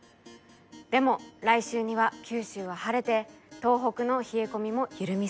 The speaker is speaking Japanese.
でも来週には九州は晴れて東北の冷え込みも緩みそうです。